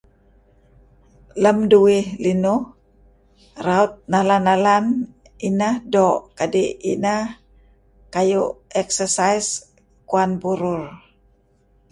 Lem duih linuh raut nalan-nalan ineh doo' kadi' ineh kayu' exercise kuan burur.